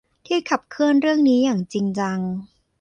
ที่ขับเคลื่อนเรื่องนี้อย่างจริงจัง